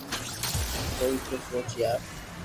ڪوئي تو سوچ يار